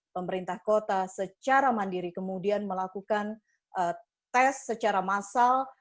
pemerintah kota secara mandiri kemudian melakukan tes secara massal